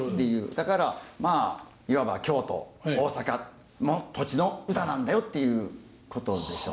だからまあいわば京都大阪の土地の唄なんだよっていうことでしょうね。